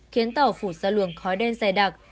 khiến tàu phụt ra luồng khói đen dài đặc